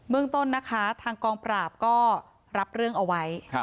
เมืองต้นนะคะทางกองปราบก็รับเรื่องเอาไว้